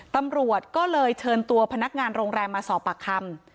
ตำรวจก็เลยเชิญตัวพนักงานโรงแรมมาสอบปากคำ